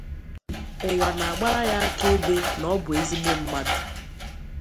ụwa na-agbara ya akaebe na ọ bụ ezigbo mmadụ."